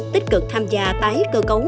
tích cực tham gia tái cơ cấu